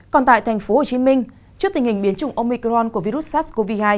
còn tại tp hcm trước tình hình biến chủng omicron của virus sars cov hai